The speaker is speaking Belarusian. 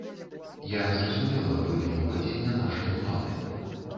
Я зразумела глыбіню падзення нашай улады.